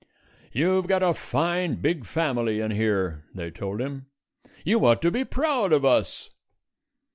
"You've got a fine, big family in here," they told him: "you ought to be proud of us."